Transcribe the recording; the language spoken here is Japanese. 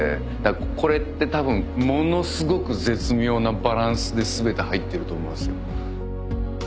これってたぶんものすごく絶妙なバランスで全て入ってると思いますよ。